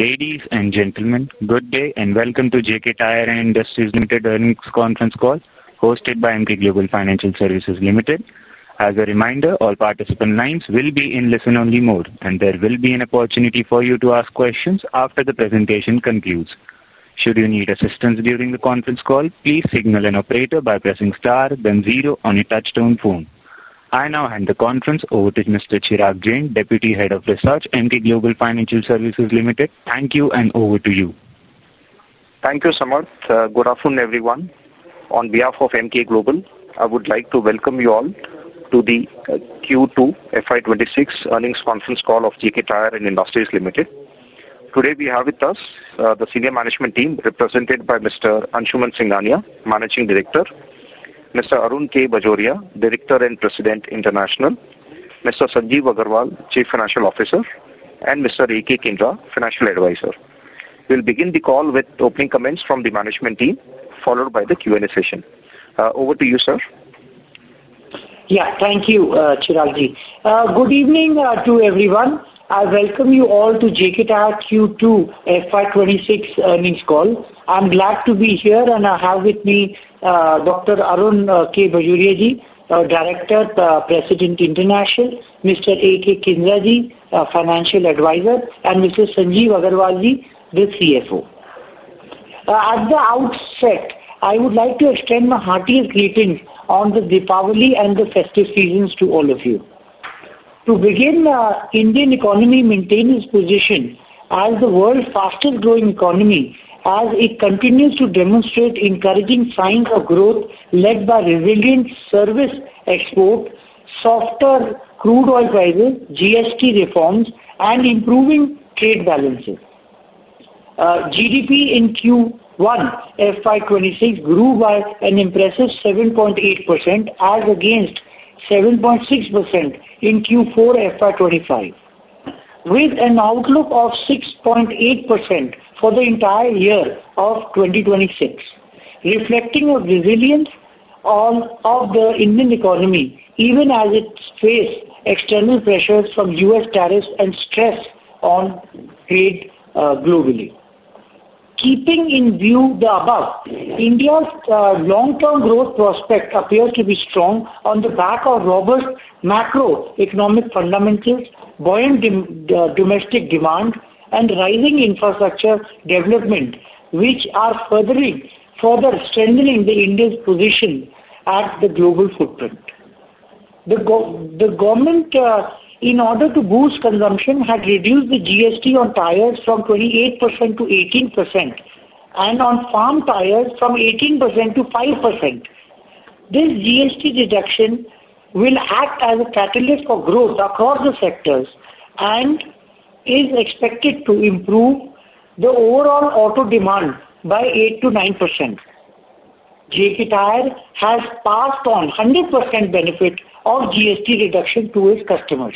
Ladies and gentlemen, good day and welcome to JK Tyre & Industries Limited Earnings Conference Call, hosted by Emkay Global Financial Solutions Limited. As a reminder, all participant lines will be in listen-only mode, and there will be an opportunity for you to ask questions after the presentation concludes. Should you need assistance during the conference call, please signal an operator by pressing star then zero on your touch-tone phone. I now hand the conference over to Mr. Chirag Jain, Deputy Head of Research, Emkay Global Financial Services Limited. Thank you, and over to you. Thank you, [Samarth] Good afternoon, everyone. On behalf of Emkay Global, I would like to welcome you all to the Q2 FY 2026 Earnings Conference Call of JK Tyre & Industries Limited. Today, we have with us the senior management team, represented by Mr. Anshuman Singhania, Managing Director, Mr. Arun K. Bajoria, Director and President International, Mr. Sanjeev Aggarwal, Chief Financial Officer, and Mr. A.K. Kindra, Financial Advisor. We'll begin the call with opening comments from the management team, followed by the Q&A session. Over to you, sir. Yeah. Thank you, Chiragji. Good evening to everyone. I welcome you all to JK Tyre Q2 FY 2026 Earnings Call. I'm glad to be here, and I have with me, Dr. Arun K. Bajoria, Director, President International, Mr. A.K. Kindra, Financial Advisor, and Mr. Sanjeev Aggarwal, the CFO. At the outset, I would like to extend my heartiest greetings on the Dipawali and the festive seasons to all of you. To begin, the Indian economy maintains its position as the world's fastest-growing economy, as it continues to demonstrate encouraging signs of growth, led by resilient service exports, softer crude oil prices, GST reforms, and improving trade balances. GDP in Q1 FY 2026 grew by an impressive 7.8%, as against 7.6% in Q4 FY 2025. With an outlook of 6.8% for the entire year of 2026, reflecting a resilience of the Indian economy, even as it faced external pressures from U.S. tariffs and stress on trade globally. Keeping in view the above, India's long-term growth prospects appear to be strong on the back of robust macroeconomic fundamentals, buoyant domestic demand, and rising infrastructure development, which are further strengthening the India's position at the global footprint. The government, in order to boost consumption, has reduced the GST on tires from 28% to 18% and on farm tires from 18% to 5%. This GST deduction will act as a catalyst for growth across the sectors, and is expected to improve the overall auto demand by 8%-9%. JK Tyr has passed on a 100% benefit of GST reduction to its customers.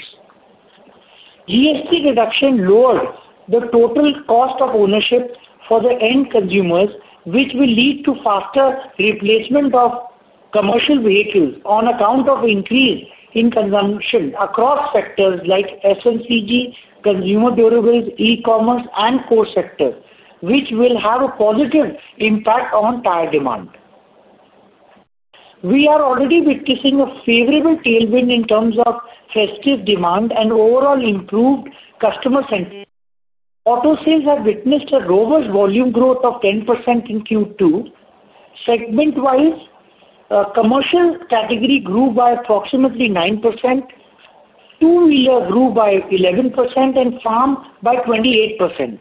GST reduction lowers the total cost of ownership for the end consumers, which will lead to faster replacement of commercial vehicles, on account of an increase in consumption across sectors like SMCG, consumer durables, e-commerce, and core sectors, which will have a positive impact on tire demand. We are already witnessing a favorable tailwind in terms of festive demand, and overall improved customer sentiment. Auto sales have witnessed a robust volume growth of 10% in Q2. Segment-wise, commercial category grew by approximately 9%, [two-wheeler] grew by 11%, and farm by 28%.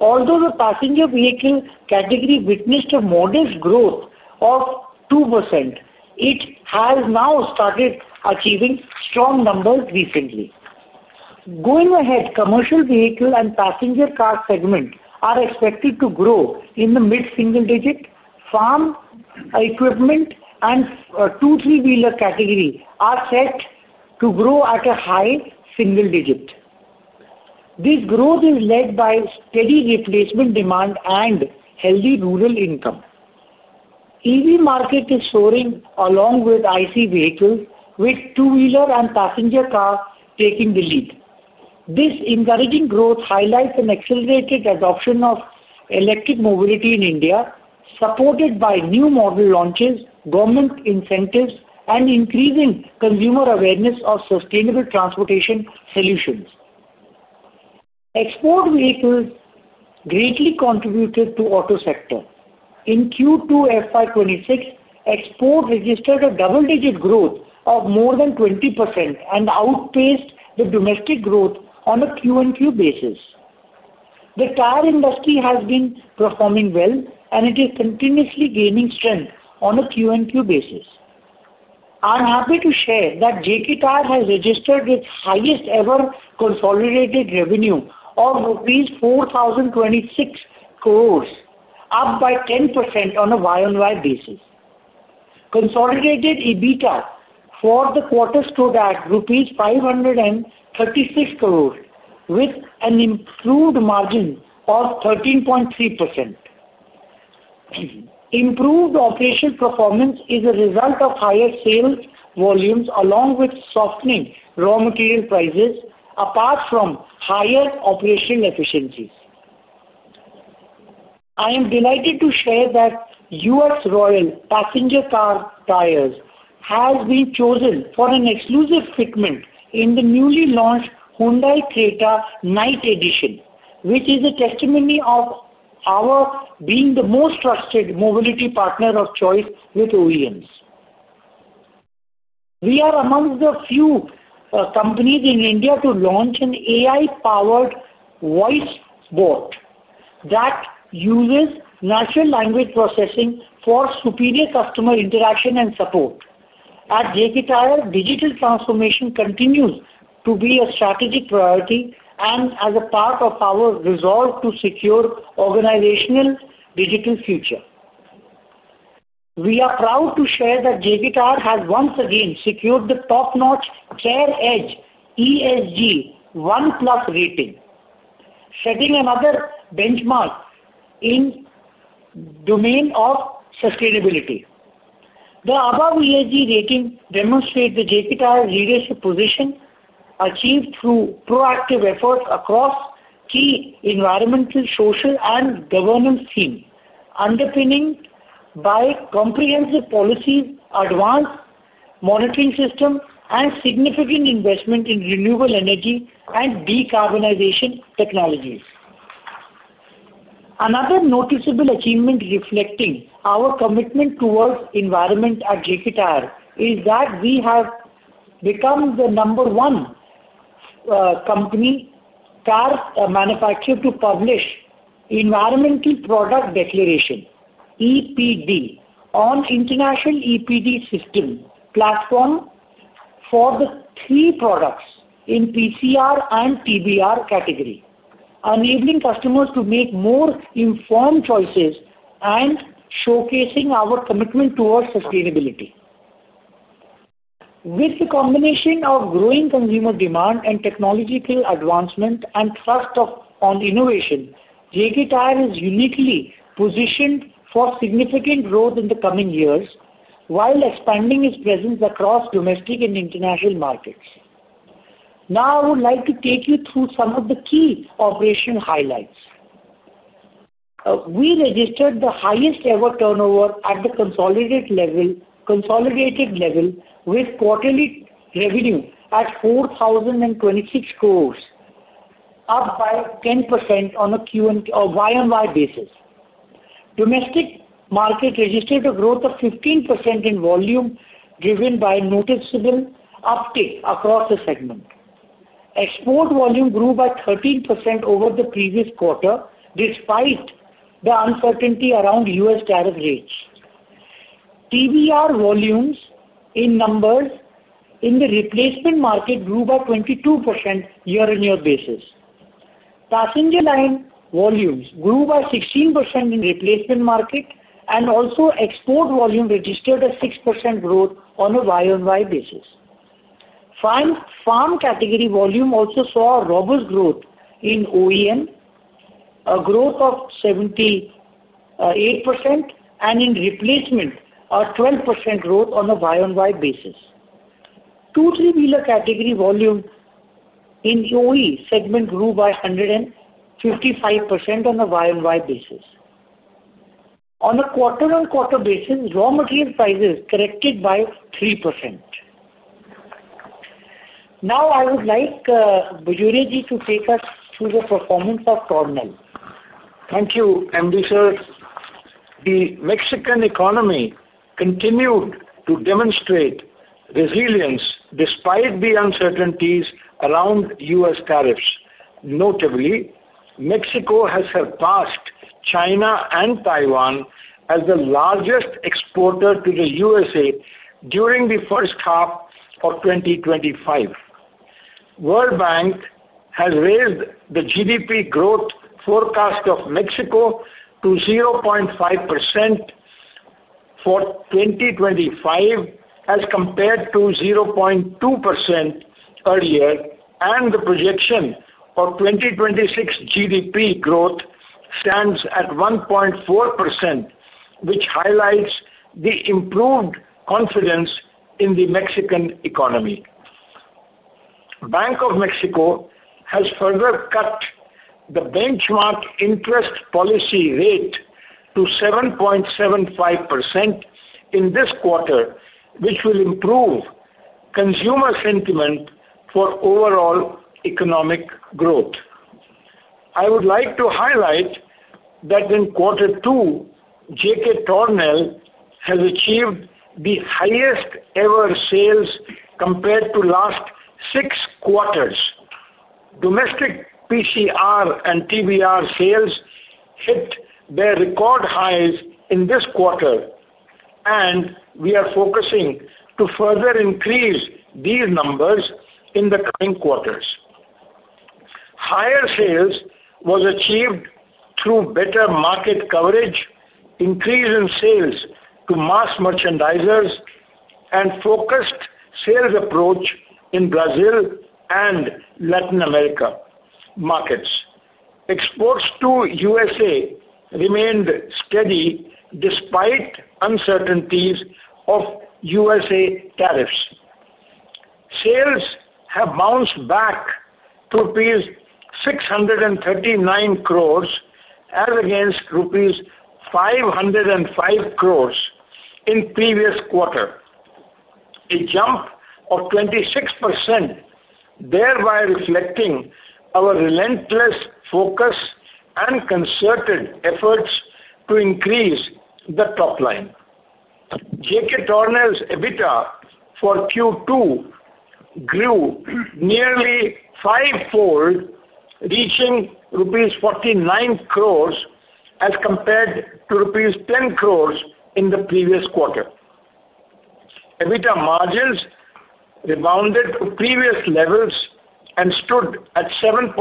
Although the passenger vehicle category witnessed a modest growth of 2%, it has now started achieving strong numbers recently. Going ahead, commercial vehicle and passenger car segments are expected to grow in the mid-single-digit. Farm equipment and two, three-wheeler categories are set to grow at a high single digit. This growth is led by steady replacement demand and healthy rural income. The EV market is soaring along with IC vehicles, with two-wheeler and passenger cars taking the lead. This encouraging growth highlights an accelerated adoption of electric mobility in India, supported by new model launches, government incentives, and increasing consumer awareness of sustainable transportation solutions. Export vehicles greatly contributed to the auto sector. In Q2 FY 2026, exports registered a double-digit growth of more than 20% and outpaced the domestic growth on a Q-on-Q basis. The tire industry has been performing well, and it is continuously gaining strength on a Q-on-Q basis. I'm happy to share that JK Tyre has registered its highest ever consolidated revenue of rupees 4,026 crores, up by 10% on a Y-on-Y basis. Consolidated EBITDA for the quarter stood at rupees 536 crores, with an improved margin of 13.3%. Improved operational performance is a result of higher sales volumes, along with softening raw material prices, apart from higher operational efficiencies. I am delighted to share that US Royale passenger car tires have been chosen for an exclusive fitment in the newly launched Hyundai Creta Knight Edition, which is a testimony of our being the most trusted mobility partner of choice with OEMs. We are amongst the few companies in India to launch an AI-powered voice bot that uses natural language processing for superior customer interaction and support. At JK Tyre, digital transformation continues to be a strategic priority, and as a part of our resolve to secure an organizational digital future. We are proud to share that JK Tyre has once again secured the top-notch chair edge ESG One Plus rating, setting another benchmark in the domain of sustainability. The above ESG rating demonstrates the JK Tyre leadership position, achieved through proactive efforts across key environmental, social, and governance themes, underpinned by comprehensive policies, advanced monitoring systems, and significant investment in renewable energy and decarbonization technologies. Another noticeable achievement reflecting our commitment towards the environment at JK Tyre, is that we have become the number one company car manufacturer to publish the Environmental Product Declaration, EPD on the International EPD system platform for the three products in the PCR and TBR categories, enabling customers to make more informed choices and showcasing our commitment towards sustainability. With the combination of growing consumer demand, and technological advancement and trust in innovation, JK Tyre is uniquely positioned for significant growth in the coming years, while expanding its presence across domestic and international markets. Now, I would like to take you through some of the key operational highlights. We registered the highest ever turnover at the consolidated level, with quarterly revenue at 4,026 crores, up by 10% on a Y-on-Y basis. The domestic market registered a growth of 15% in volume, driven by a noticeable uptick across the segment. Export volume grew by 13% over the previous quarter, despite the uncertainty around the U.S. tariff rates. TBR volumes in numbers in the replacement market grew by 22% on a year-on-year basis. Passenger line volumes grew by 16% in the replacement market, and also export volume registered a 6% growth on a Y-on-Y basis. Farm category volume also saw a robust growth in OEM, a growth of 78%, and in replacement, a 12% growth on a Y-on-Y basis. Two, three-wheeler category volume in the OE segment grew by 155% on a Y-on-Y basis. On a quarter-on-quarter basis, raw material prices corrected by 3%. Now, I would like Bajoriaji to take us through the performance of Tornel. Thank you, [Amritsar]. The Mexican economy continued to demonstrate resilience despite the uncertainties around U.S. tariffs. Notably, Mexico has surpassed China and Taiwan as the largest exporter to the U.S.A. during the first half of 2025. The World Bank has raised the GDP growth forecast of Mexico to 0.5% for 2025, as compared to 0.2% earlier. The projection for 2026 GDP growth stands at 1.4%, which highlights the improved confidence in the Mexican economy. The Bank of Mexico has further cut the benchmark interest policy rate to 7.75% in this quarter, which will improve consumer sentiment for overall economic growth. I would like to highlight that in quarter two, JK Tornel has achieved the highest ever sales compared to the last six quarters. Domestic PCR and TBR sales hit their record highs in this quarter, and we are focusing to further increase these numbers in the coming quarters. Higher sales were achieved through better market coverage, increase in sales to mass merchandisers, and a focused sales approach in Brazil and Latin America markets. Exports to the U.S.A. remained steady, despite uncertainties of the U.S.A. tariffs. Sales have bounced back to rupees 639 crores, against rupees 505 crores in the previous quarter. A jump of 26%, thereby reflecting our relentless focus and concerted efforts to increase the top line. JK Tornel's EBITDA for Q2 grew nearly five-fold, reaching rupees 49 crores as compared to rupees 10 crores in the previous quarter. EBITDA margins rebounded to previous levels and stood at 7.6%,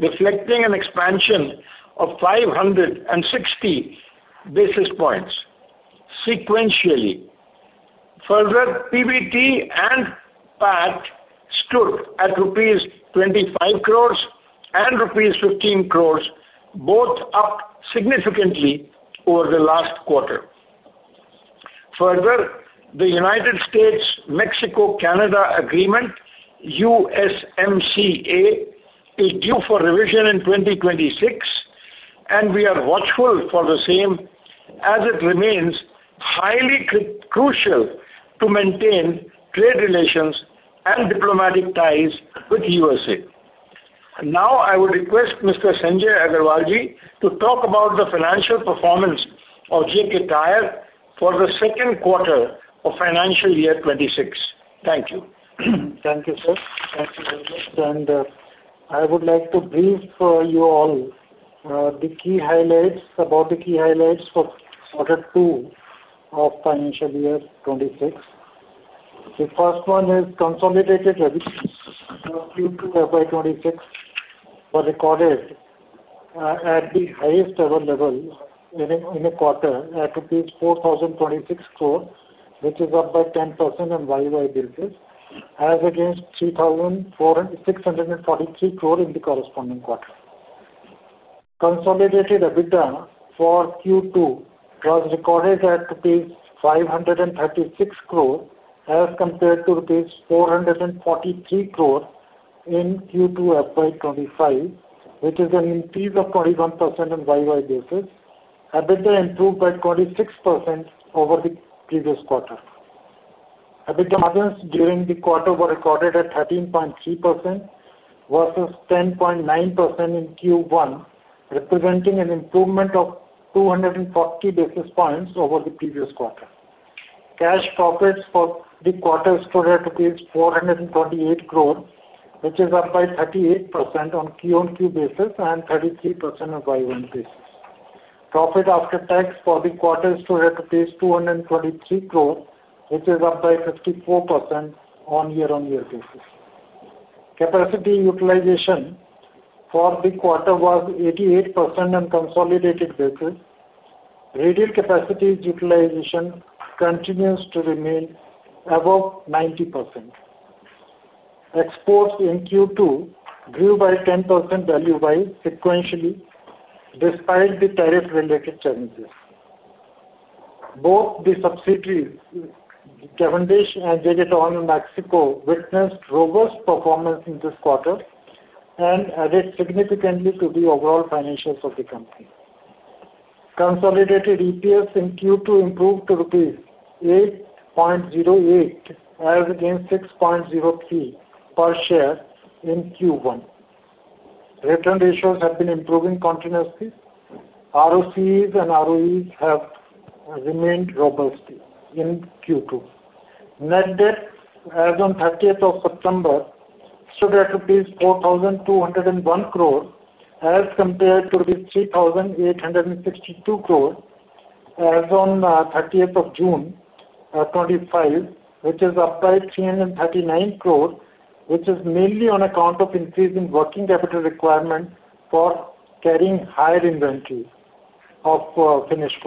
reflecting an expansion of 560 basis points sequentially. Further, PBT and PAT stood at rupees 25 crores and rupees 15 crores, both up significantly over the last quarter. Further, the United States-Mexico-Canada Agreement, USMCA is due for revision in 2026 and we are watchful for the same, as it remains highly crucial to maintain trade relations and diplomatic ties with the U.S.A. Now, I would request Mr. Sanjeev Aggarwalji to talk about the financial performance of JK Tyre for the second quarter of financial year 2026. Thank you. Thank you, sir. Thank you very much. I would like to brief you all about the key highlights for quarter two of financial year 2026. The first one is consolidated revenues of Q2 FY 2026 were recorded at the highest ever level in a quarter, at INR 4,026 crores, which is up by 10% on a Y-on-Y basis, as against 3,643 crores in the corresponding quarter. Consolidated EBITDA for Q2 was recorded at 536 crores, as compared to 443 crores in Q2 FY 2025, which is an increase of 21% on a Y-on-Y basis. EBITDA improved by 26% over the previous quarter. EBITDA margins during the quarter were recorded at 13.3% versus 10.9% in Q1, representing an improvement of 240 basis points over the previous quarter. Cash profits for the quarter stood at rupees 428 crores, which is up by 38% on a Q-on-Q basis and 33% on a Y-on-Y basis. Profit after tax for the quarter stood at rupees 223 crores, which is up by 54% on a year-on-year basis. Capacity utilization for the quarter was 88% on a consolidated basis. Radial capacity utilization continues to remain above 90%. Exports in Q2 grew by 10% value sequentially, despite the tariff-related challenges. Both the subsidiaries, [Cavendish Industries Ltd] and Tornel Mexico, witnessed robust performance in this quarter, and added significantly to the overall financials of the company. Consolidated EPS in Q2 improved to rupees 8.08 as against 6.03 per share in Q1. The return ratios have been improving continuously. ROCs and ROEs have remained robust in Q2. Net debt, as on the 30th of September stood at rupees 4,201 crores as compared to rupees 3,862 crores as on the 30th of June 2025, which is up by 339 crores, which is mainly on account of increasing working capital requirement for carrying higher inventory of finished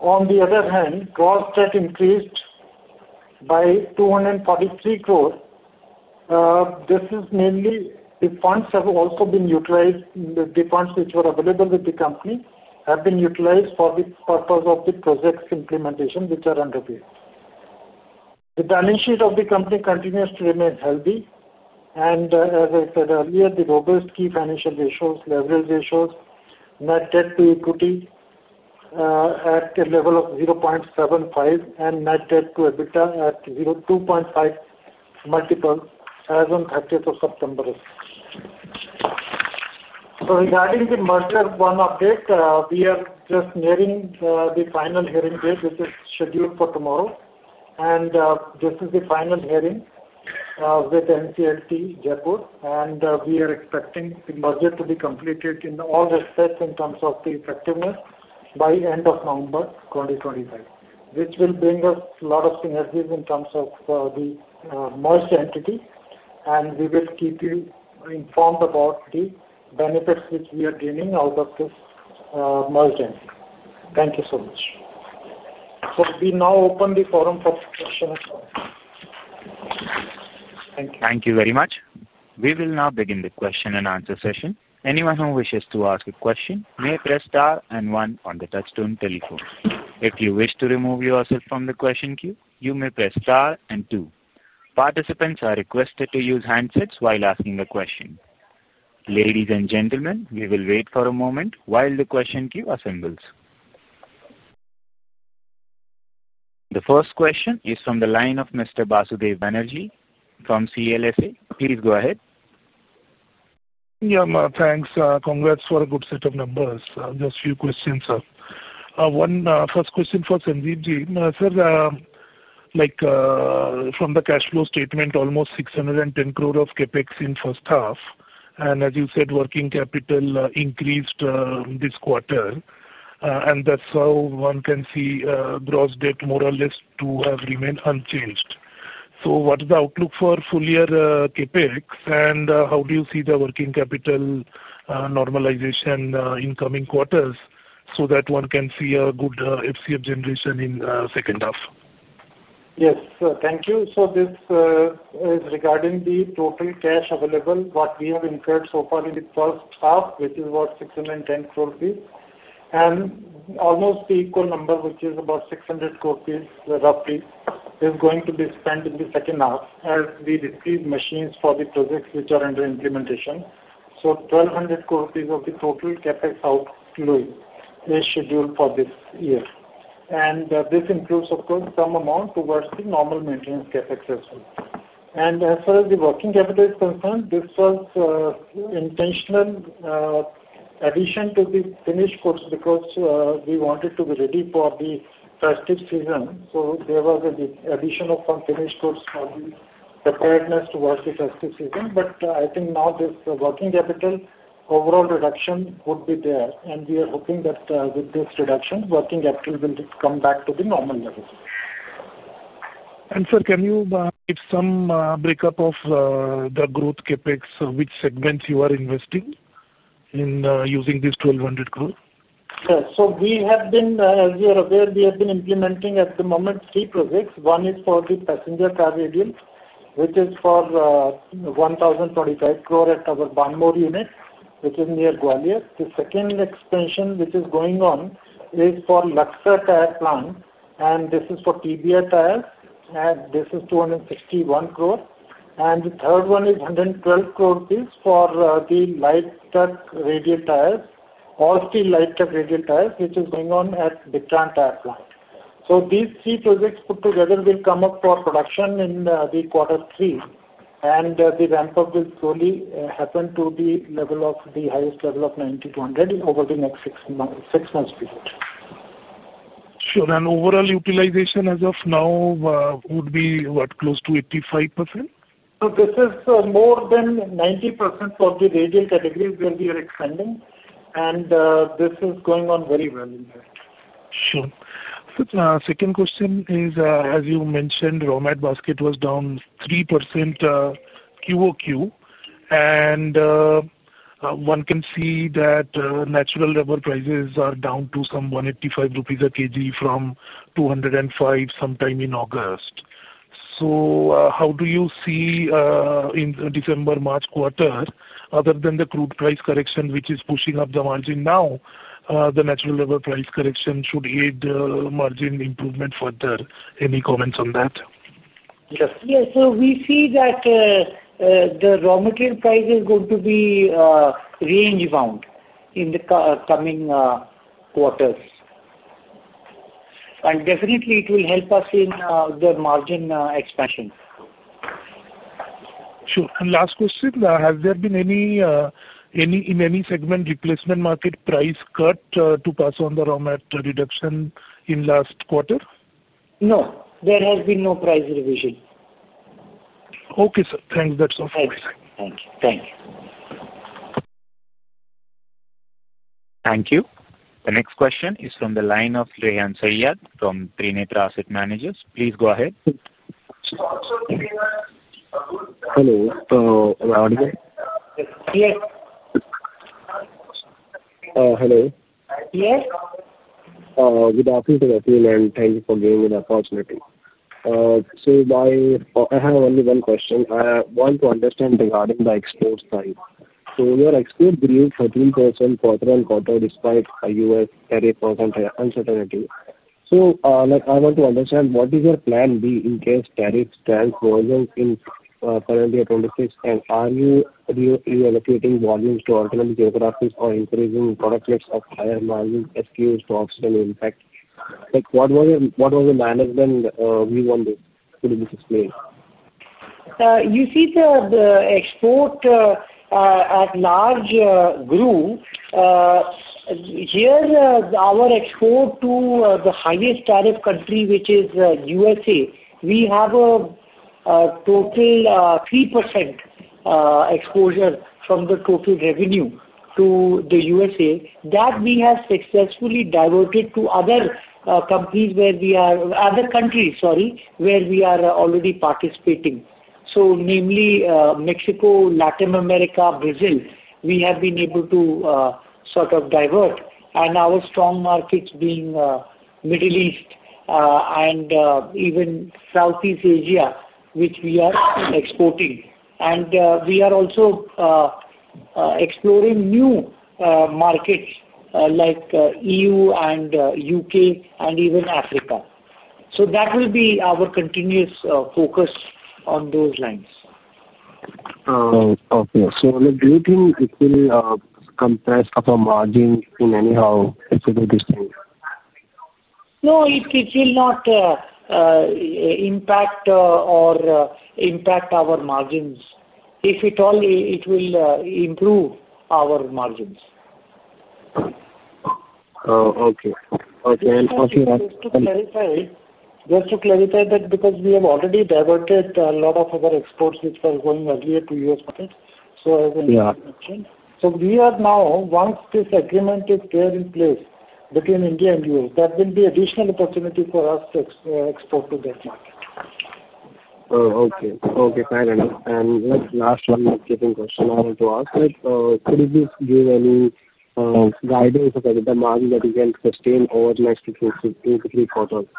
goods. On the other hand, gross debt increased by 243 crores. This is mainly, the funds which were available to the company have been utilized for the purpose of the projects implementation, which are underway. The balance sheet of the company continues to remain healthy, and as I said earlier, the robust key financial ratios, leverage ratios, net debt to equity at the level of 0.75, and net debt to EBITDA at 0.25 multiple, as on the 30th of September. Regarding the merger [one] update, we are just nearing the final hearing date, which is scheduled for tomorrow. This is the final hearing with the NCLT Jaipur, and we are expecting the merger to be completed in all respects in terms of the effectiveness by the end of November 2025, which will bring us a lot of synergy in terms of the merged entity and we will keep you informed about the benefits which we are gaining out of this merged entity. Thank you so much. We now open the forum for questions. Thank you. Thank you very much. We will now begin the question-and-answer session. Anyone who wishes to ask a question may press star and one on the touch-tone telephone. If you wish to remove yourself from the question queue, you may press star and two. Participants are requested to use handsets while asking a question. Ladies and gentlemen, we will wait for a moment while the question queue assembles. The first question is from the line of Mr. Basudeb Banerjee from CLSA. Please go ahead. Yeah, thanks. Congrats for a good set of numbers. Just a few questions, sir. One, the first question for Sanjeevji. Sir, from the cash flow statement, almost 610 crore of CapEx in the first half, and as you said, working capital increased this quarter. That's how one can see gross debt more or less to have remained unchanged. What is the outlook for full-year CapEx, and how do you see the working capital normalization in the coming quarters, so that one can see a good FCF generation in the second half? Yes, thank you. This is regarding the total cash available, what we have incurred so far in the first half, which is about 610 crores rupees, and almost the equal number, which is about 600 crores rupees roughly, is going to be spent in the second half as we receive machines for the projects which are under implementation. 1,200 crores rupees of the total CapEx outflow is scheduled for this year, and this includes of course some amount towards the normal maintenance CapEx as well. As far as the working capital is concerned, this was an intentional addition to the finished goods because we wanted to be ready for the festive season. There was an addition of some finished goods for the preparedness towards the festive season, but I think now this working capital overall reduction would be there. We are hoping that with this reduction, working capital will come back to the normal level. Sir, can you give some breakup of the growth CapEx, which segments you are investing in using this 1,200 crore? Yes. As you're aware, we have been implementing at the moment, three projects. One is for the passenger car radial, which is for 1,025 crores at our Banmore unit, which is near Gwalior. The second expansion, which is going on, is for Luxor Tire Plant, and this is for TBR tires, and this is 261 crore. The third one is 112 crores for the light truck radial tires, all-steel light truck radial tires, which is going on at Big Tran tyre plant. These three projects put together will come up for production in quarter three, and the ramp-up will slowly happen to the highest level of 9,200 over the next six-months period. Sure. Overall utilization as of now would be what, close to 85%? This is more than 90% for the radial category where we are expanding, and this is going on very well in there. Sure. The second question is, as you mentioned, [raw material] basket was down 3% Q-on-Q, and one can see that natural rubber prices are down to some 185 rupees a kg from 205 sometime in August. How do you see in the December-March quarter, other than the crude price correction which is pushing up the margin now, the natural rubber price correction should aid the margin improvement further? Any comments on that? Yes. Yes. We see that the raw material price is going to be range-bound in the coming quarters, and definitely, it will help us in the margin expansion. Sure. Last question, has there been in any segment replacement, market price cut to pass on the raw material reduction in the last quarter? No, there has been no price revision. Okay, sir. Thanks. That's all from me. Thank you. Thank you. Thank you. The next question is from the line of Rehan Saiyyed from Trinetra Asset Managers. Please go ahead. Hello. Am I audible? Yes. Hello. Yes. Good afternoon, [and thank you] for giving me the opportunity. I have only one question. I want to understand regarding the export side. Your export grew 13% quarter-on-quarter despite the U.S. tariffs and uncertainty. I want to understand, what is your plan B in case tariffs trend worsen in the current year 2026, and are you reallocating volumes to alternate geographies or increasing product mix of higher margin SKUs to offset any impact? What was the management view on this? Could you please explain? Yeah. You see the export at large grew. Here, our export to the highest tariff country, which is the U.S.A, we have a total 3% exposure from the total revenue to the U.S. that we have successfully diverted to other countries where we are already participating. Namely, Mexico, Latin America, Brazil, we have been able to sort of divert, and our strong markets being the Middle East and even Southeast Asia, which we are exporting. We are also exploring new markets like, EU and U.K. and even Africa. That will be our continuous focus on those lines. Okay. Do you think it will compress up our margin in any? No, it will not impact our margins. If at all, it will improve our margins. Okay. Just to clarify, because we have already diverted a lot of our exports, which were going earlier to U.S. markets, once this agreement is in place between India and the U.S., there will be additional opportunity for us to export to that market. Okay, fair enough. The last one [is a second question] I want to ask. Could you please give any guidance of the margin that we can then sustain over the next two to three quarters?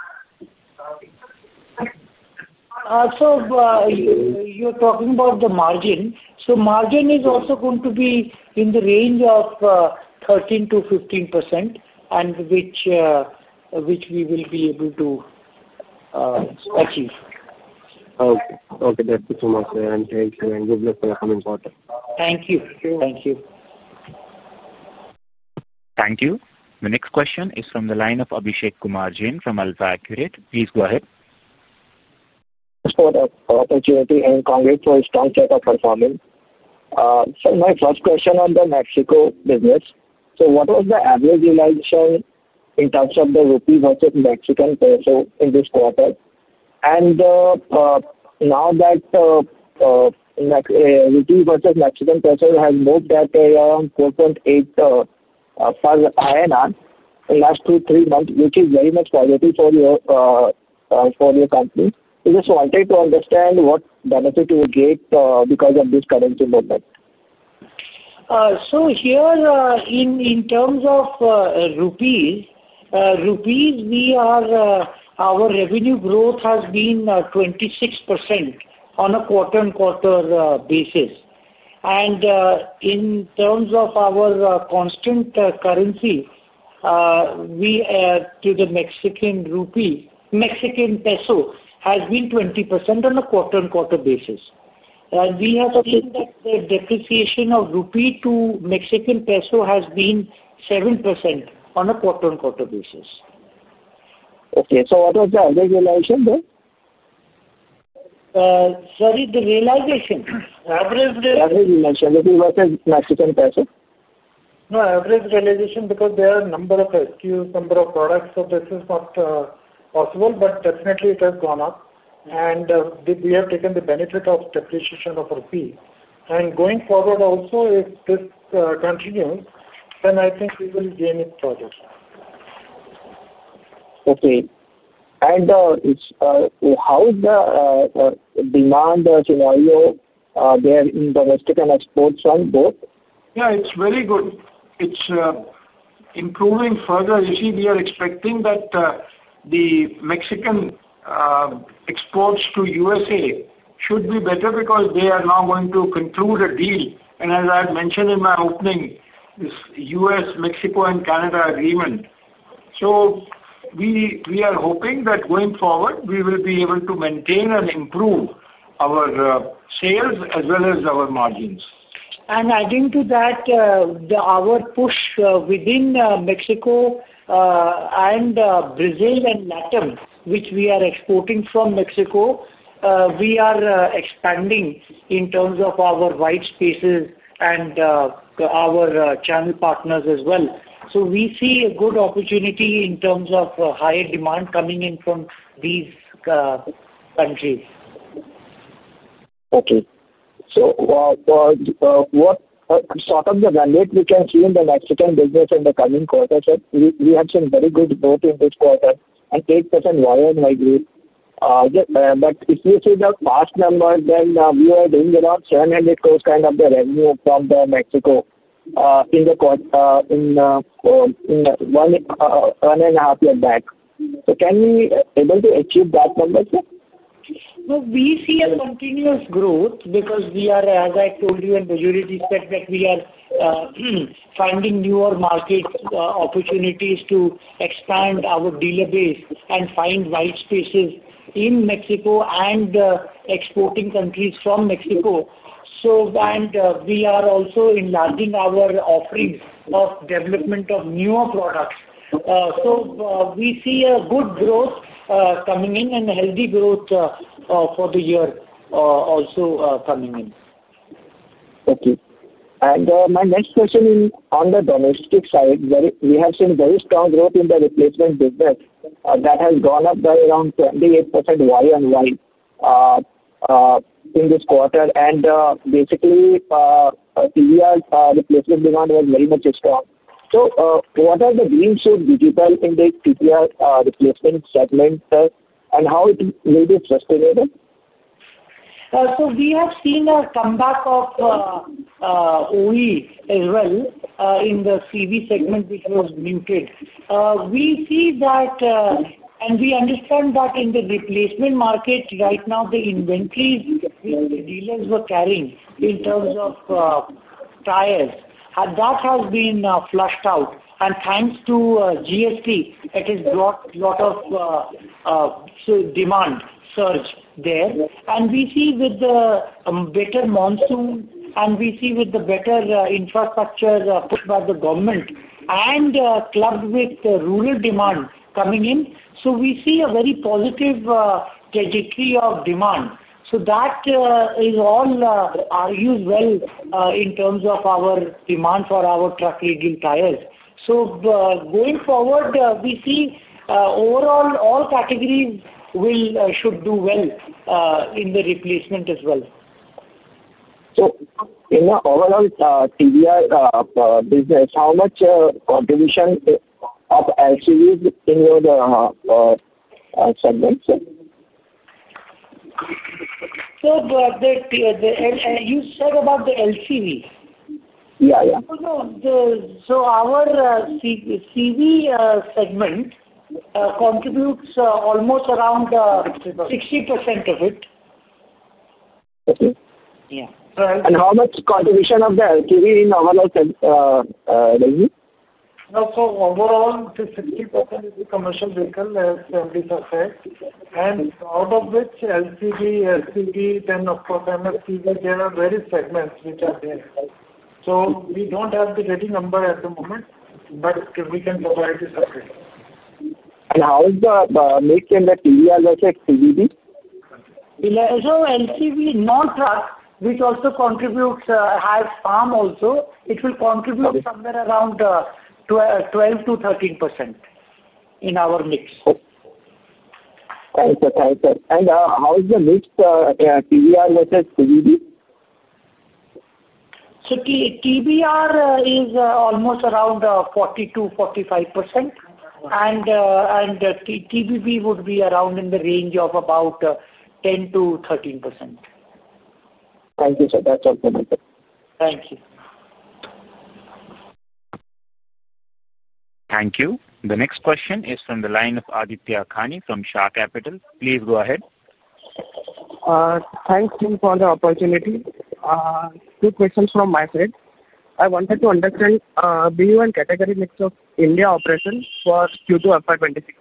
You're talking about the margin. Margin is also going to be in the range of 13%-15%, which we will be able to achieve. Okay. [That's good to know, sir]. Thank you, and good luck for the coming quarter. Thank you. Thank you. Thank you. The next question is from the line of Abhishek Kumar Jain from AlphaGrep. Please go ahead. Thanks for the opportunity, and congrats for a strong sense of performance. My first question on the Mexico business. What was the average in terms of the rupee versus Mexican peso in this quarter? Now that the rupee versus Mexican peso has moved at around 4.8 per INR in the last two to three months, which is very much positive for your company, I just wanted to understand what benefit you would get because of this currency movement. Here, in terms of rupees, our revenue growth has been 26% on a quarter-on-quarter basis. In terms of our constant currency to the Mexican peso, it has been 20% on a quarter-on-quarter basis. We have seen that the depreciation of rupee to Mexican peso has been 7% on a quarter-on-quarter basis. Okay, what was the realization there? Sorry, the average realization? Average realization. versus Mexican peso? No average realization because there are a number of SKUs, a number of products, so this is not possible. It has definitely gone up, and we have taken the benefit of depreciation of rupee. Going forward also, if this continues, then I think we will gain it further. Okay. How is the demand scenario there in domestic and exports from both? Yeah, it's very good. It's improving further. You see, we are expecting that the Mexican exports to the U.S.A should be better, because they are now going to conclude a deal. As I had mentioned in my opening, this U.S.-Mexico and Canada agreement, we are hoping that going forward, we will be able to maintain and improve our sales as well as our margins. Adding to that, our push within Mexico and Brazil and Latin, which we are exporting from Mexico, we are expanding in terms of our white spaces and our channel partners as well. We see a good opportunity in terms of higher demand coming in from these countries. Okay. What sort of value can we see in the Mexican business in the coming quarters? We have seen very good growth in this quarter, an 8% Y-on-Y growth. If you see the past numbers, we were doing around INR 700 crores kind of revenue from Mexico in the quarter one and a half years back. Can we be able to achieve that number, sir? We see a continuous growth because we are, as I told you, in the majority segment. We are finding newer market opportunities to expand our dealer base, and find white spaces in Mexico and exporting countries from Mexico. We are also enlarging our offerings of development of newer products. We see a good growth coming in and a healthy growth for the year also coming in. Okay. My next question is on the domestic side. We have seen very strong growth in the replacement business that has gone up by around 28% Y-on-Y in this quarter. Basically, TBR replacement demand was very much strong. What are the [winds to digital] in the TBR replacement segment, sir, and how will this sustain it? We have seen a comeback of OE as well in the CV segment, which was muted. We see that, and we understand that in the replacement market right now, the inventories which the dealers were carrying in terms of tires, that has been flushed out. Thanks to GST, it has brought a lot of demand surge there. We see with the better monsoon, and we see with the better infrastructure put by the government and clubbed with the rural demand coming in, we see a very positive trajectory of demand. That all augurs well in terms of our demand for our truck tires. Going forward, we see, overall all categories should do well in the replacement as well. In the overall TBR business, how much contribution of LCVs in your segment, sir? you said about the LCV? Yeah. Our CV segment contributes almost around 60% of it. 60%, okay. Yeah, how much contribution of the LCV in overall revenue? Overall, the 60% is the commercial vehicle as we suspect. Out of which LCV, then of course MSCV, there are various segments which are there. We don't have the ready number at the moment, but we can provide the survey. How is the make in the TBR versus TBB? LCV non-truck, which also contributes, high also, it will contribute somewhere around 12%-13% in our mix. Okay. Thanks, sir. How is the mix TBR versus TBB? TBR is almost around 42%-45%, and TBB would be around in the range of about 10%-13%. Thank you, sir. That's all from me, sir. Thank you. Thank you. The next question is from the line of [Aditya Arkani] from Shah Capital. Please go ahead. Thanks, [Jim] for the opportunity. Two questions from my side. I wanted to understand [BUN] category mix of India operation for Q2 FY 2026.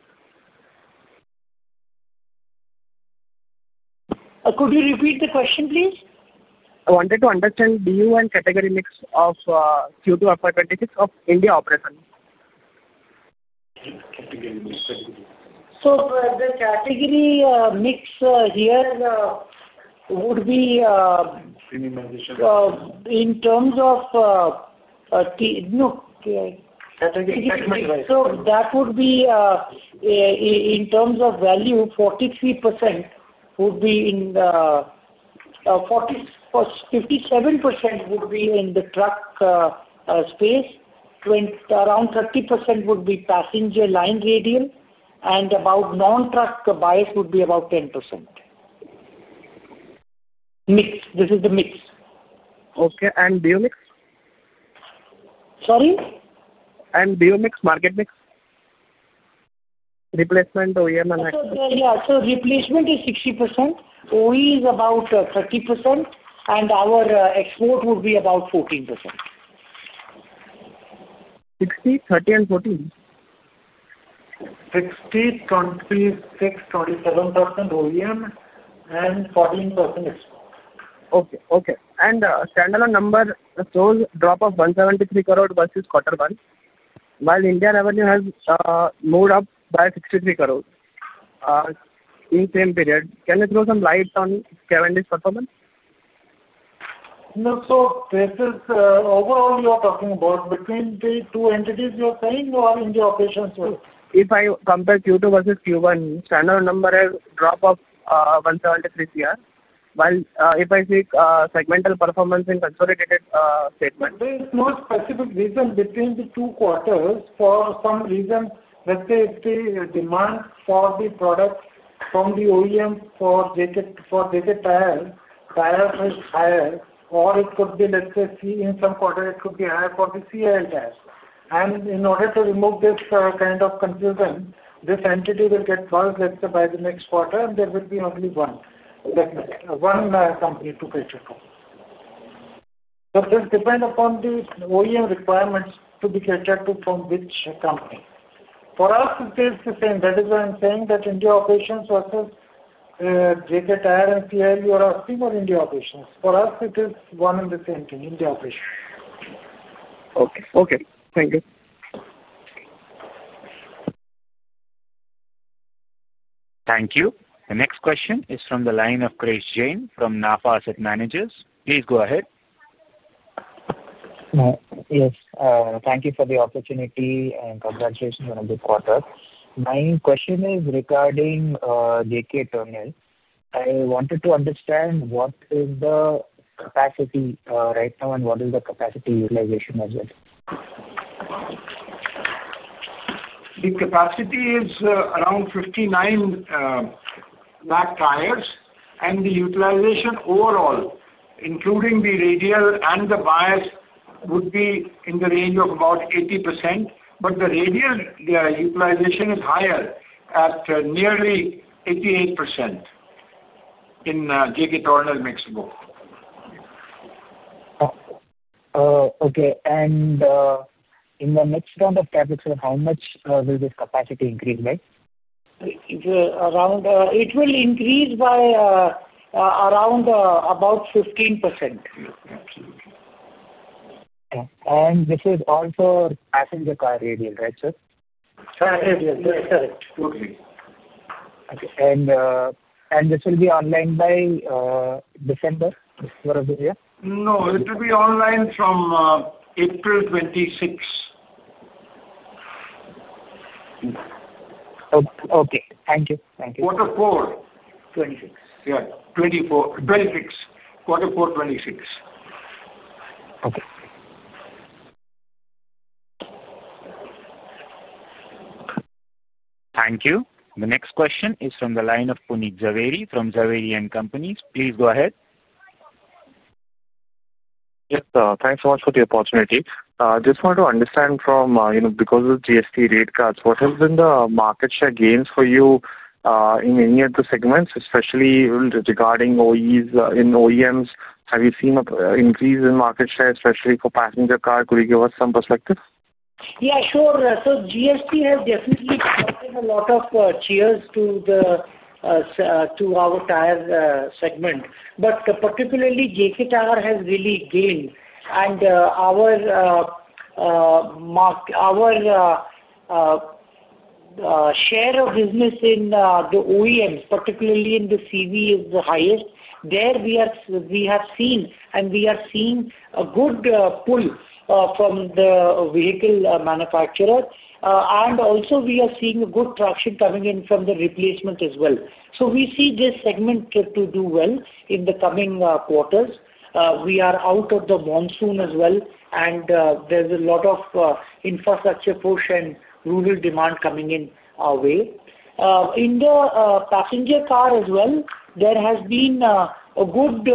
Could you repeat the question, please? I wanted to understand [BUN] category mix of Q2 FY 2026 of India operation. The category mix here. The category mix here would be in terms of. category segment, right? In terms of value, 57% would be in the truck space. Around 30% would be passenger line radial, and about non-truck bias would be about 10%. This is the mix. Okay. BU mix? Sorry? BU mix, market mix, replacement, OEM, and Mexico. Yeah, so replacement is 60%. OE is about 30%, and our export would be about 14%. 60, 30, and 14? 60%, 26%, 27% OEM, and 14% export. Okay. The standalone number shows a drop of 173 crore versus quarter one, while India revenue has moved up by 63 crore in the same period. Can you throw some light on Cavendish's performance? No. Overall, you are talking about between the two entities you are saying or in the operations overall? If I compare Q2 versus Q1, standalone number has dropped to 173 CR, while I see segmental performance in the consolidated segment. There is no specific reason between the two quarters for some reason. Let's say if the demand for the product from the OEM for JK Tyre is higher, or it could be, let's say, in some quarters, it could be higher for the CL tyres. In order to remove this kind of confusion, this entity will get sourced, let's say, by the next quarter, and there will be only one, let's say, one company to catch up on. This just depends upon the OEM requirements to be caught up to company. For us, it is the same. That is why I'm saying that India operations versus JK Tyre and CL, you are asking for India operations. For us, it is one and the same thing, India operations. Okay. Thank you. Thank you. The next question is from the line of [Grace Jain] from NAFA Asset Managers. Please go ahead. Yes. Thank you for the opportunity and congratulations on a good quarter. My question is regarding JK Tornel. I wanted to understand, what is the capacity right now and what is the capacity utilization as well? The capacity is around 59 million tyres, and the utilization overall, including the radial and the bias would be in the range of about 80%. The radial utilization is higher, at nearly 88% in JK Tornel Mexico. Okay. In the next round of CapEx, how much will this capacity increase by? It will increase by around 15%. Okay. This is also passenger car radial, right, sir? Passenger radial, correct, sir. Okay. This will be online by December, this is what [is], yeah? No, it will be online from April 2026. Okay. Thank you. Quarter four. 2026. Yeah, 2026. Quarter four 2026. Okay. Thank you. The next question is from the line of [Puneet Zaveri] from Zaveri & Companies. Please go ahead. Yes, sir. Thanks so much for the opportunity. I just wanted to understand, because of GST rate cuts, what has been the market share gains for you in any of the segments, especially regarding OEs in OEMs? Have you seen an increase in market share, especially for passenger car? Could you give us some perspective? Yeah, sure. GST [has definitely brought] in a lot of cheers to our tyre segment. Particularly, JK Tyre has really gained, and our share of business in the OEMs, particularly in the CV, is the highest. There we have seen, and we are seeing a good pull from the vehicle manufacturer. We are also seeing good traction coming in from the replacement as well. We see this segment do well in the coming quarters. We are out of the monsoon as well, and there's a lot of infrastructure push and rural demand coming in our way. In the passenger car as well, there has been good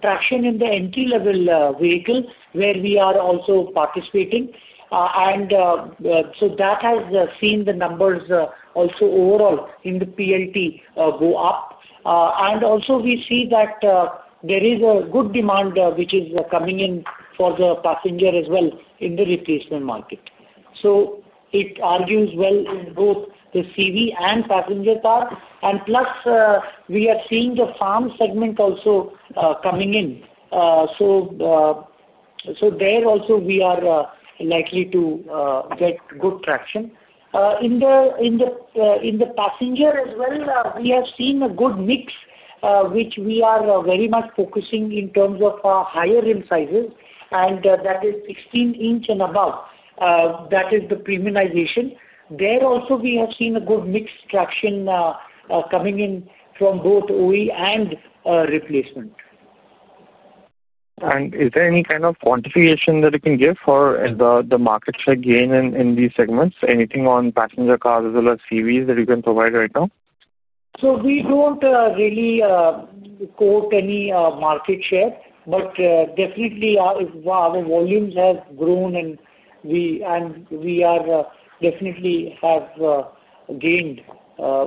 traction in the entry-level vehicle, where we are also participating. That has seen the numbers also overall in the [PLT] go up. Also, we see that there is good demand which is coming in for the passenger as well in the replacement market. It argues well in both the CV and passenger car. Plus, we are seeing the farm segment also coming in. There also, we are likely to get good traction. In the passenger as well, we have seen a good mix, which we are very much focusing in terms of higher rim sizes, and that is 16-inch and above. That is the premiumization. There also, we have seen a good mixed traction coming in from both OE and replacement. Is there any kind of quantification that you can give for the market share gain in these segments? Anything on passenger cars as well as CVs that you can provide right now? We don't really quote any market share, but definitely, our volumes have grown, and we definitely have gained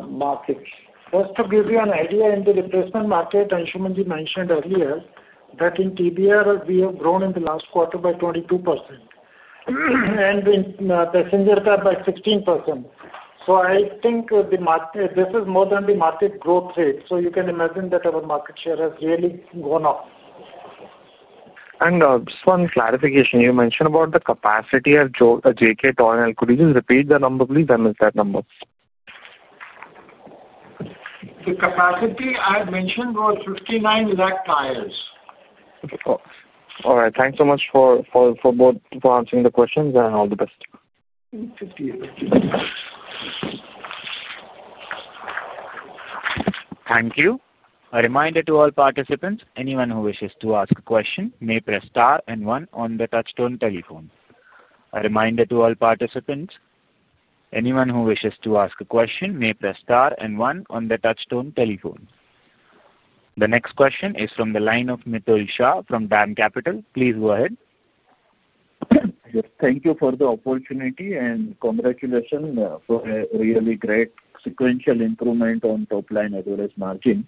markets. Just to give you an idea, in the replacement market, Anshumanji mentioned earlier that in TBR, we have grown in the last quarter by 22% and in passenger car by 16%. I think this is more than the market growth rate, so you can imagine that our market share has really gone up. Just one clarification. You mentioned about the capacity of JK Tornel. Could you repeat the number, please? I missed that number. The capacity I had mentioned was 59 lakh tres. All right. Thanks so much both for answering the questions and all the best. Thank you. A reminder to all participants, anyone who wishes to ask a question may press star and one on the touch-tone telephone. The next question is from the line of Mitul Shah from DAM Capital. Please go ahead. Yes. Thank you for the opportunity, and congratulations for a really great sequential improvement on top line as well as margin.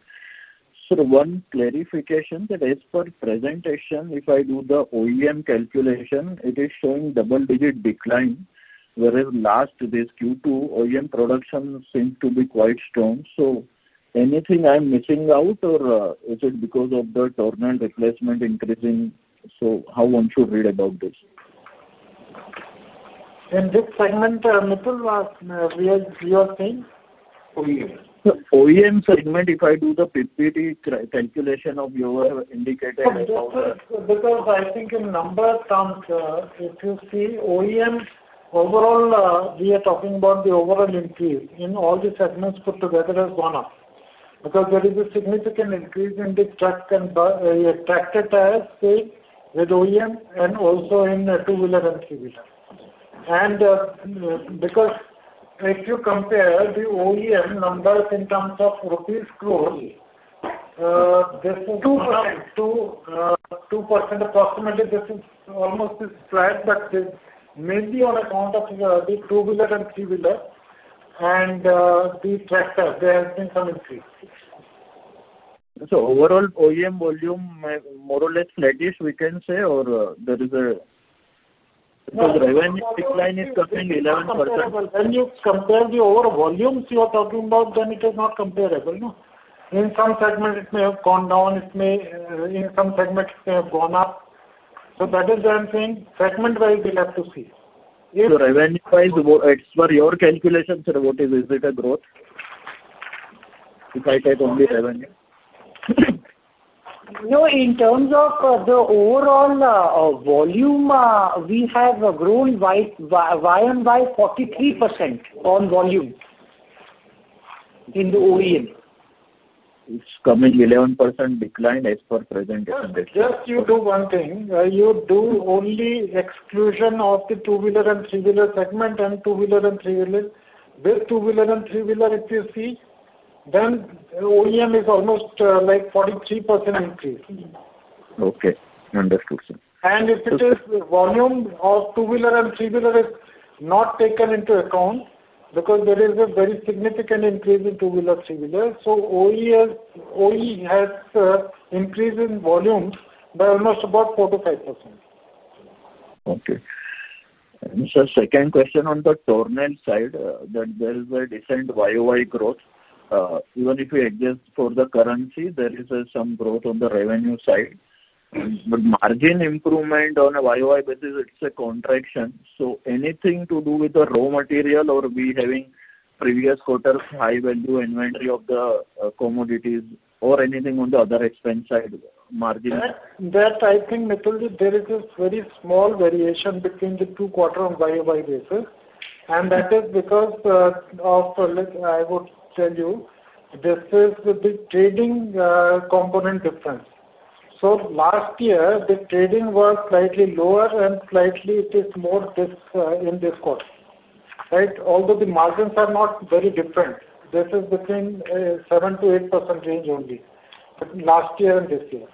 Sir, one clarification that is for presentation. If I do the OEM calculation, it has showing double-digit decline, whereas last Q2 OEM production seemed to be quite strong. Anything I'm missing out, or is it because of the Tornel replacement increasing? How should one read about this? In this segment, Mitul, what are you saying? OEM. OEM segment, if I do the [PPD] calculation of your. I think in numbers terms, if you see OEMs overall, we are talking about the overall increase in all the segments put together has gone up, because there is a significant increase in the truck and tires with OEMs and also in the two-wheeler and three-wheeler. If you compare the OEM numbers in terms of rupees crores, this is 2% approximately. This is almost flat, but this may be on account of these two-wheeler and three-wheeler and the tractor. There has been some increase. Overall, OEM volume is more or less flat-ish, we can say, or there is a revenue decline is coming? When you compare the overall volumes you are talking about, then it is not comparable, no. In some segments, it may have gone down. In some segments, it may have gone up. That is why I'm saying, segment-wise, we'll have to see. Revenue-wise, for your calculations, sir, what is the growth, if I take only revenue? No. In terms of the overall volume, we have grown Y-on-Y 43% on volume in the OEM. It's coming 11% decline as per the presentation. Just do one thing. You do only exclusion of the two-wheeler and three-wheeler segment, and two-wheeler and three-wheeler. With two-wheeler and three-wheeler, if you see, then OEM is almost like 43% increase. Okay. Understood, sir. If it is the volume of two-wheeler and three-wheeler, it's not taken into account because there is a very significant increase in two-wheeler and three-wheeler. OE has increased in volume by almost about 4%- 5%. Okay. Sir, second question on the Tornel side, there is a decent Y-on-Y growth. Even if we adjust for the currency, there is some growth on the revenue side. Margin improvement on a Y-on-Y basis, it's a contraction. Is there anything to do with the raw material or are we having previous quarters' high-value inventory of the commodities, or anything on the other expense side margin? I think, Mitul, there is a very small variation between the two quarters on Y-on-Y basis. That is because of, I would tell you, this is the big trading component difference. Last year, the trading was slightly lower, and slightly, it is more in this quarter, right? Although the margins are not very different. This is between 7%-8% range only, but last year and this year.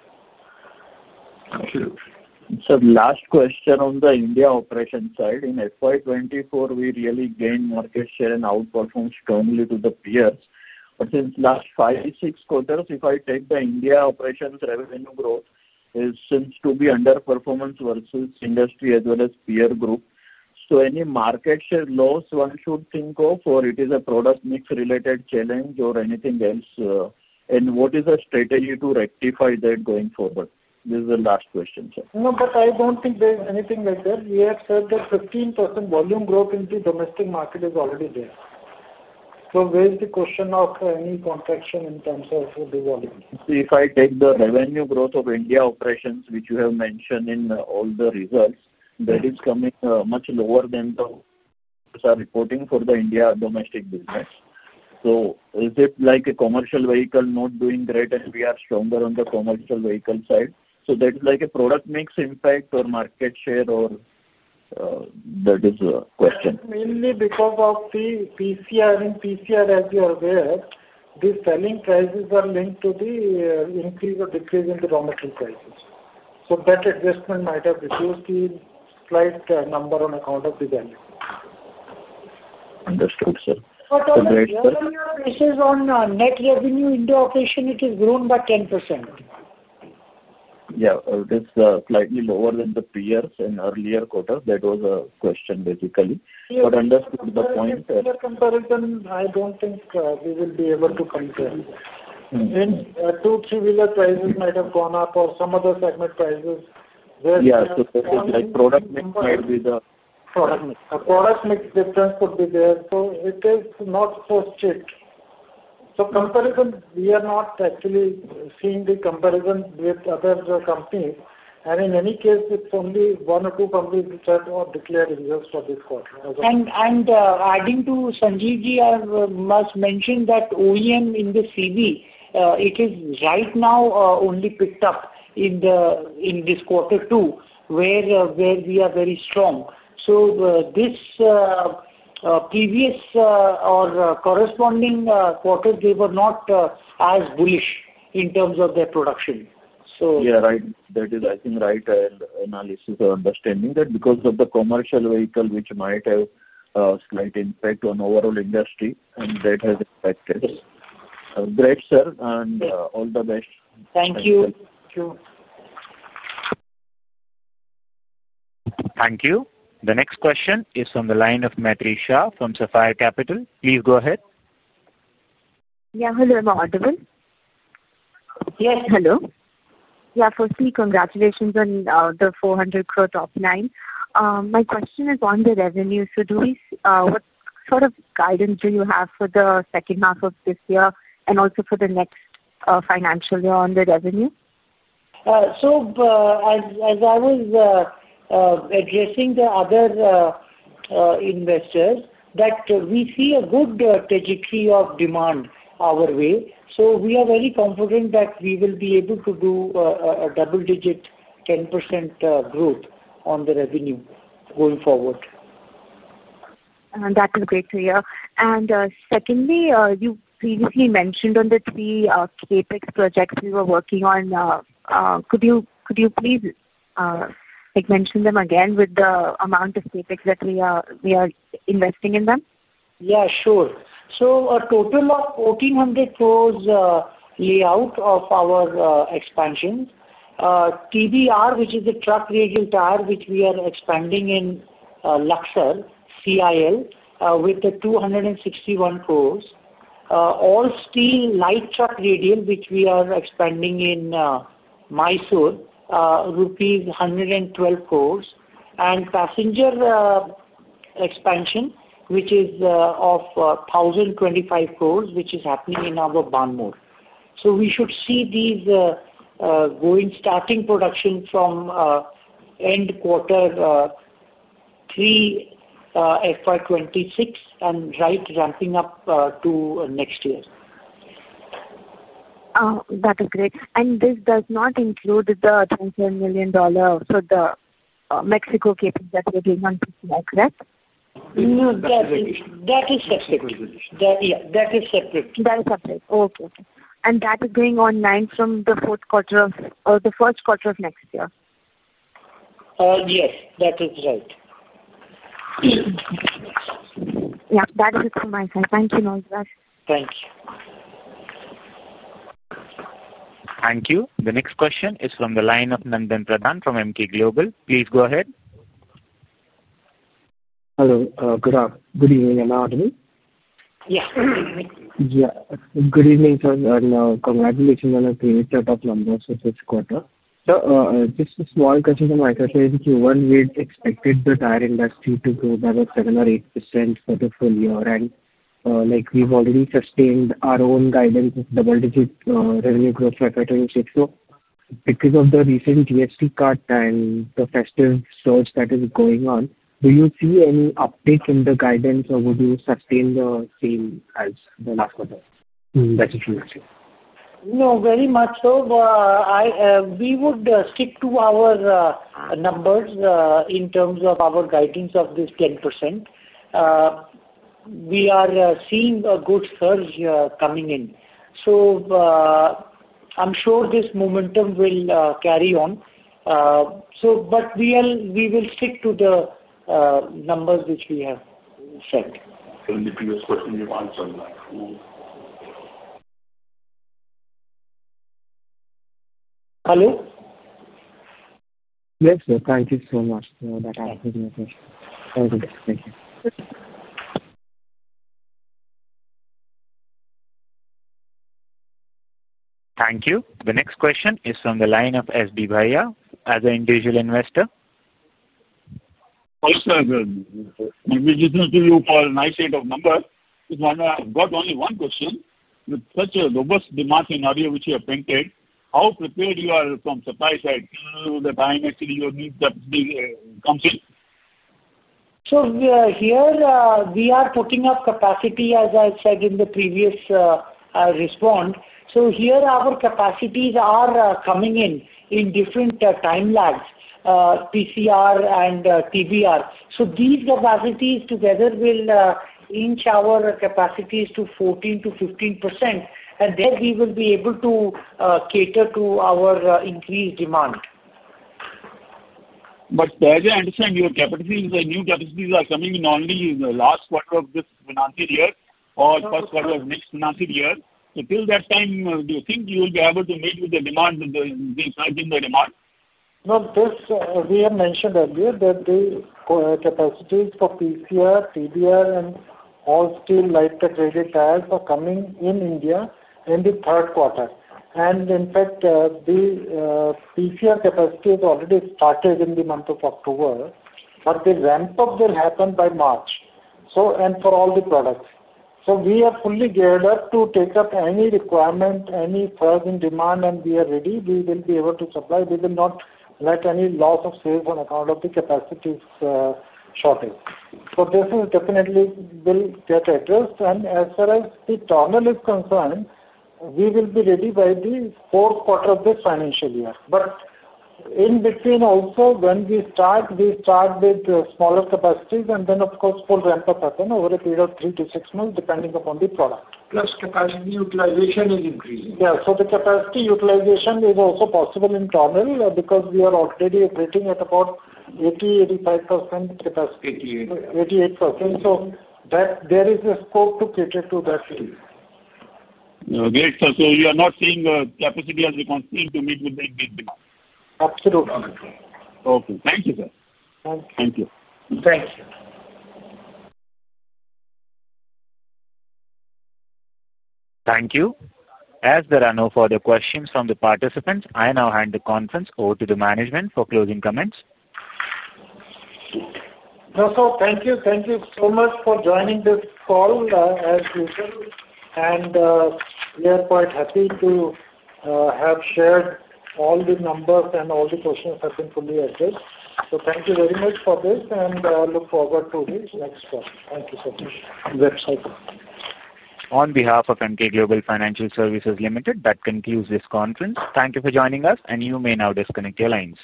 Sure. Last question on the India operations side. In FY 2024, we really gained market share and outperformed strongly to the peers. Since the last five to six quarters, if I take the India operations revenue growth, it seems to be underperformance versus industry as well as peer group. Any market share loss one should think of, or is it a product mix-related challenge, or anything else? What is the strategy to rectify that going forward? This is the last question, sir. No, I don't think there is anything like that. We have said that 15% volume growth in the domestic market is already there. Where is the question of any contraction in terms of the volume? If I take the revenue growth of India operations, which you have mentioned in all the results, that is coming much lower than the reporting for the India domestic business. Is it like a commercial vehicle not doing great, and we are stronger on the commercial vehicle side? That is like a product mix impact or market share? That is the question? Mainly because of the PCR, as you are aware, the selling prices are linked to the increase or decrease in the raw material prices. That adjustment might have reduced the slight number on account of the value. Understood, sir. on net revenue in the operation, it has grown by 10%. Yeah, or it is slightly lower than the peers in earlier quarters. That was a question basically. I understood the point. comparison, I don't think we will be able to compare. Two, three-wheeler prices might have gone up or some other segment prices. Yeah, thisproduct mix might be the. Product mix. Now, product mix difference would be there. It is not so strict. Comparison, we are not actually seeing the comparison with other companies. In any case, it's only one or two companies which are declared in this. Adding to Sanjeev [Aggarwal], I must mention that OEM in the CV, it is right now only picked up in this quarter two where we are very strong. This previous or corresponding quarters, they were not as bullish in terms of their production. Yeah, right. That is, I think, right analysis or understanding, that because of the commercial vehicle, which might have a slight impact on overall industry, and that has affected. Great, sir. All the best. Thank you. Thank you. Thank you. The next question is from the line of Maitri Shah from Sapphire Capital. Please go ahead. Yeah, hello. I'm audible. Yes. Hello. Yeah. Firstly, congratulations on the 400 crore top line. My question is on the revenue. What sort of guidance do you have for the second half of this year and also for the next financial year on the revenue? As I was addressing the other investors, that we see a good trajectory of demand our way. We are very confident that we will be able to do a double-digit 10% growth on the revenue going forward. That is great to hear. Secondly, you previously mentioned on the three CapEx projects we were working on. Could you please mention them again with the amount of CapEx that we are investing in them? Yeah, sure. A total of 1,400 crores layout of our expansion. TBR, which is the truck radial tyre, which we are expanding in Luxor CIL with 261 crores. All-steel light truck radial, which we are expanding in Mysore, with rupees 112 crores. Passenger expansion, which is of 1,025 crores, which is happening in our Banmore. We should see these starting production from end quarter three, FY 2026 and ramping up to next year. That is great. This does not include the $27 million for the Mexico CapEx that we're doing on, correct? No, that is separate. Yeah, that is separate. That is separate, okay. That is going online from the fourth quarter or the first quarter of next year? Yes, that is right. Yeah. That is it from my side. Thank you, Anshuman. Thank you. Thank you. The next question is from the line of Nandan Pradhan from Emkay Global. Please go ahead. Hello. Good evening, am I audible? Yes, good evening. Yeah. Good evening, sir, and congratulations on a pretty good set of numbers for this quarter. Just a small question from my side. in Q1, we expected the tire industry to grow by about 7% or 8% for the full year already. We've already sustained our own guidance of double-digit revenue growth, because of the recent GST cut and the festive surge that is going on, do you see any uptick in the guidance, or would you sustain the same as the last quarter? That's it from my side. No, very much so. We would stick to our numbers in terms of our guidance of this 10%. We are seeing a good surge coming in. I'm sure this momentum will carry on, but we will stick to the numbers which we have set. In the previous. Hello? Yes, sir. Thank you so much. No, that answers my question. Thank you. Thank you. The next question is from the line of S.B. Bayer, as an individual investor. Hi, sir. a nice set of numbers. I've got only one question. With such a robust demand scenario which you have painted, how prepared you are from supply side to the time actually your new subsidiary comes in? Here, we are talking of capacity, as I said in the previous respond. Here, our capacities are coming in in different time lags, PCR and TBR. These capacities together will inch our capacities to 14%-15%, and then we will be able to cater to our increased demand. As I understand, your new capacities are coming in only in the last quarter of this financial year or first quarter of next financial year. Until that time, do you think you will be able to meet with the demand and the surge in the demand? as we had mentioned earlier, the capacities for PCR, TBR, and all-steel light truck radial tires are coming in India in the third quarter. In fact, the PCR capacity has already started in the month of October, but the ramp-up will happen by March for all the products. We are fully geared up to take up any requirement, any surge in demand, and we are ready. We will be able to supply. We will not let any loss of sales on account of the capacities' shortage. This definitely will get addressed. As far as the Tornel is concerned, we will be ready by the fourth quarter of this financial year. In between also, when we start, we start with smaller capacities, and then of course, full ramp-up happens over a period of three to six months, depending upon the product. Plus, capacity utilization is increasing. Yeah. The capacity utilization is also possible in Tornel, because we are already operating at about 80%-85% capacity. 88. 88%. There is a scope to cater to. Great, sir. You are not seeing a capacity as we can see, to meet with the increased demand? Absolutely. Okay. Thank you, sir. Thank you. Thank you. Thank you. Thank you. As there are no further questions from the participants, I now hand the conference over to the management for closing comments. Yeah, so thank you. Thank you so much for joining this call, as usual. We are quite happy to have shared all the numbers, and all the questions that have been fully addressed. Thank you very much for this. I look forward to the next quarter. Thank you so much. On behalf of Emkay Global Financial Services Limited, that concludes this conference. Thank you for joining us, and you may now disconnect your lines.